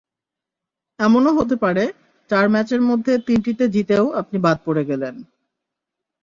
এমনও হতে পারে, চার ম্যাচের মধ্যে তিনটিতে জিতেও আপনি বাদ পড়ে গেলেন।